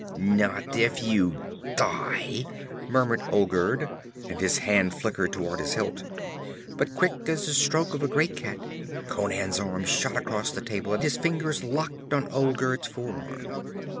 'Not if you die!' muttered Olgerd, and his hand flickered toward his hilt. But quick as the stroke of a great cat, Conan's arm shot across the table and his fingers locked on Olgerd's forearm.